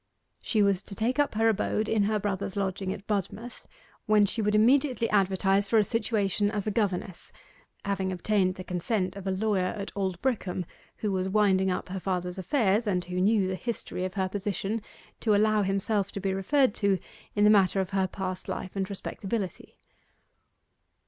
She was to take up her abode in her brother's lodging at Budmouth, when she would immediately advertise for a situation as governess, having obtained the consent of a lawyer at Aldbrickham who was winding up her father's affairs, and who knew the history of her position, to allow himself to be referred to in the matter of her past life and respectability.